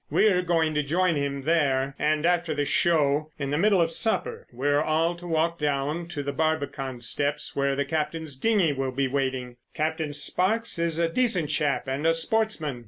We're going to join him there, and after the show, in the middle of supper, we're all to walk down to the Barbican Steps, where the captain's dinghy will be waiting.... Captain Sparkes is a decent chap, and a sportsman.